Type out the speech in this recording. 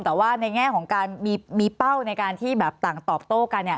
แต่ว่าในแง่ของการมีเป้าในการที่แบบต่างตอบโต้กันเนี่ย